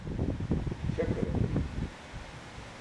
śakaran bi